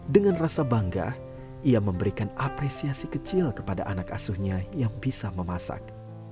dengan rasa bangga ia memberikan apresiasi kecil kepada anak asuhnya yang bisa memasak